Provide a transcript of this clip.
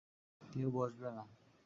কেউ বসবে না।